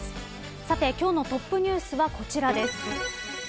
さて今日のトップニュースはこちらです。